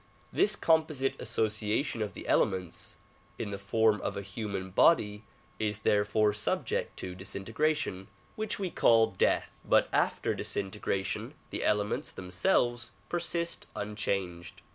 This composite association of the elements in the form of a human body is therefore subject to disintegration which we call death, but after disintegration the elements themselves persist unchanged.